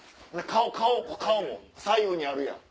顔も左右にあるやん。